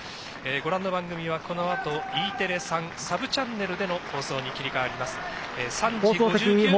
ご覧の番組はこのあとＥテレ３サブチャンネルへの放送に切り替わります。